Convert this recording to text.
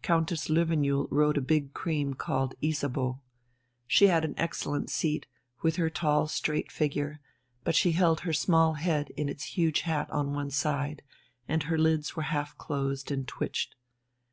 Countess Löwenjoul rode a big cream called Isabeau. She had an excellent seat, with her tall, straight figure, but she held her small head in its huge hat on one side, and her lids were half closed and twitched.